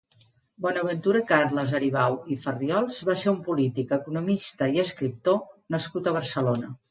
Bonaventura Carles Aribau i Farriols va ser un polític, economista i escriptor nascut a Barcelona.